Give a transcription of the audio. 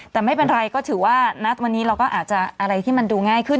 แต่ไม่เป็นไรก็ถือว่าณวันนี้เราก็อาจจะอะไรที่มันดูง่ายขึ้น